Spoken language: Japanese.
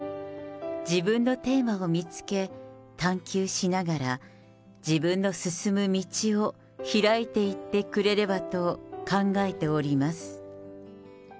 広い視野で世界を見て、自分のテーマを見つけ、探究しながら、自分の進む道を拓いていってくれればと考えております。